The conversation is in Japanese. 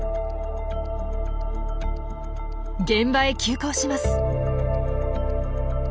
現場へ急行します。